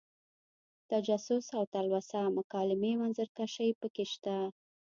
تجسس او تلوسه مکالمې منظر کشۍ پکې شته.